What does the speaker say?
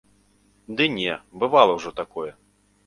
Ды не, бывала ўжо такое.